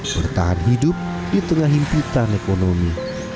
bertahan hidup di tengah himpunan ekonomi